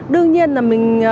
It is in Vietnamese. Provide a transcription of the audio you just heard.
đương nhiên là mình